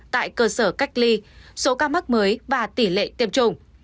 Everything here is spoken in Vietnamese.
tại cơ sở cách ly số ca mắc mới và tỷ lệ tiêm chủng